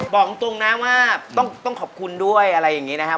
บอกตรงนะว่าต้องขอบคุณด้วยอะไรอย่างนี้นะครับ